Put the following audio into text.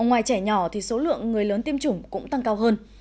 ngoài trẻ nhỏ thì số lượng người lớn tiêm chủng cũng tăng cao hơn